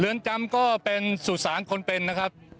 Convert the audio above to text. เรือนจำก็เป็นสุสานคนเป็นนะครับ